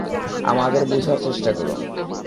আমাদের বুঝার চেষ্টা করুন।